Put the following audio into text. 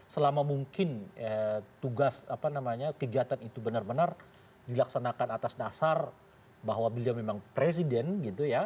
selama mungkin tugas apa namanya kegiatan itu benar benar dilaksanakan atas dasar bahwa beliau memang presiden gitu ya